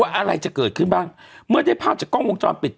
อะไรจะเกิดขึ้นบ้างเมื่อได้ภาพจากกล้องวงจรปิด